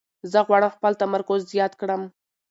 زه غواړم خپل تمرکز زیات کړم.